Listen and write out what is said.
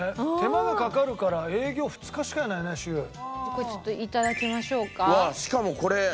これちょっと頂きましょうか。